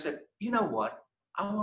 saya ingin berpikir besar